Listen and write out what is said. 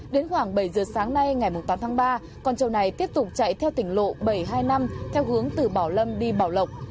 đến khoảng bảy giờ sáng nay ngày tám tháng ba con trâu này tiếp tục chạy theo tỉnh lộ bảy trăm hai mươi năm theo hướng từ bảo lâm đi bảo lộc